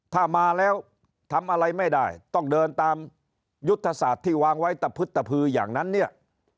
ถ้ามาแล้วทำอะไรไม่ได้ต้องเดินตามยุทธศาสตร์ที่วางไว้ตะพึดตะพืออย่างนั้นเนี่ย